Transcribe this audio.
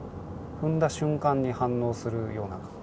踏んだ瞬間に反応するような。